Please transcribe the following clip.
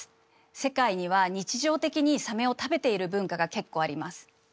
世界には日常的にサメを食べている文化が結構あります。